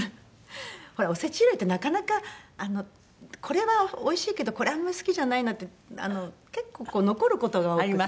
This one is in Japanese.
ほらおせち料理ってなかなかこれはおいしいけどこれあんまり好きじゃないなって結構残る事が多くて。